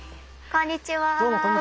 こんにちは。